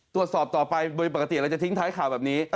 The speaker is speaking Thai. ตรวจสอบต่อไปโดยปกติเราจะทิ้งท้ายข่าวแบบนี้